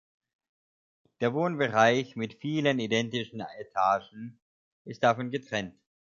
Der Wohnbereich mit vielen identischen Etagen ist davon getrennt.